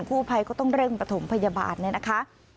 คู่ภัยก็ต้องเริ่มปฐมพยาบาทนั้นนะคะ